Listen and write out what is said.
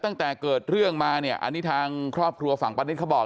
ตั้งแต่เกิดเรื่องมาเนี่ยอันนี้ทางครอบครัวฝั่งป้านิตเขาบอก